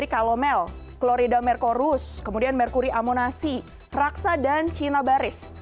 corus kemudian mercury ammonasi raksa dan cina baris